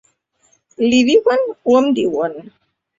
Li diuen o em diuen.